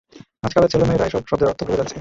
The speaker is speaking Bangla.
আজকালের ছেলে মেয়েরা, এসব শব্দের অর্থ ভুলে যাচ্ছে।